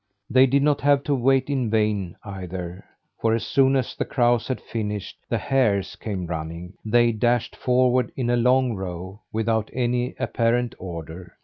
They did not have to wait in vain, either; for as soon as the crows had finished, the hares came running. They dashed forward in a long row, without any apparent order.